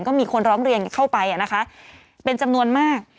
ก็มีคนร้องเรียนเข้าไปนะคะเป็นจำนวนมาก